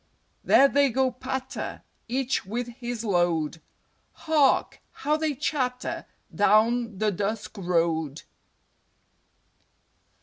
There they go patter, Each with his Load; Hark! how they chatter Down the dusk Road.